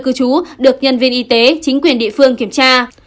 cư trú được nhân viên y tế chính quyền địa phương kiểm tra